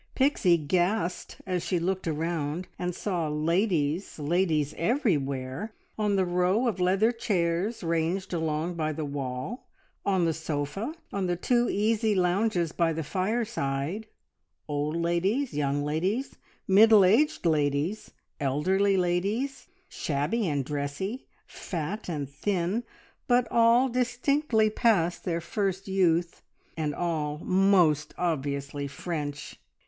Pixie gasped as she looked round and saw ladies, ladies everywhere, on the row of leather chairs ranged along by the wall, on the sofa, on the two easy lounges by the fireside, old ladies, young ladies, middle aged ladies, elderly ladies, shabby and dressy, fat and thin, but all distinctly past their first youth, and all most obviously French.